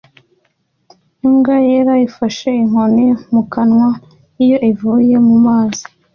Imbwa yera ifashe inkoni mu kanwa iyo ivuye mu mazi